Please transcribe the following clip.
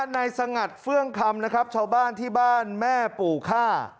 ในสงัดเฟื่องคำนะครับชาวบ้านที่บ้านแม่ปู่ฆ่า